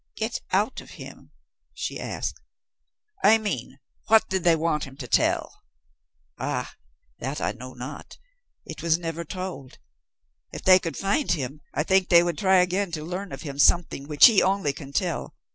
"Get out of him?" she asked. "I mean, what did they want him to tell?" "Ah, that I know not. It was never told. If they could find him, I think they would try again to learn of him something which he only can tell.